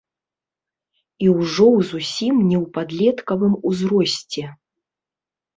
І ўжо ў зусім не ў падлеткавым узросце.